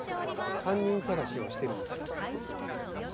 犯人捜しをしてるんでしょ？